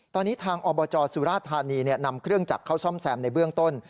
ตอนนี้ทางอบจสุราธานีนำเครื่องจักรเข้าซ่อมแซมในเบื้องต้น